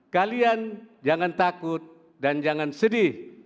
kalian jangan takut dan jangan sedih